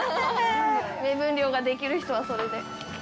目分量ができる人はそれで。